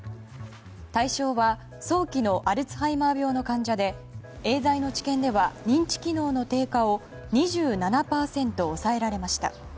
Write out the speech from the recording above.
対象は早期のアルツハイマー病の患者でエーザイの治験では認知機能の低下を２７％抑えられました。